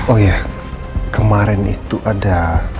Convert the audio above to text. oh ya kemarin itu ada